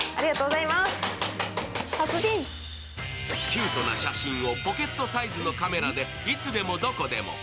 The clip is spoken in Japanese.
キュートな写真をポケットサイズのカメラでいつでもどこでも。